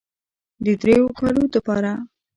د دريو کالو دپاره